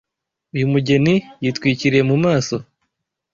Uyu mugeni yitwikiriye mu maso.